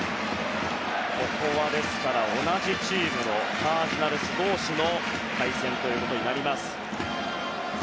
ここは同じチームのカージナルス同士の対戦となります。